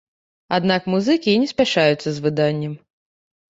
Аднак музыкі не спяшаюцца з выданнем.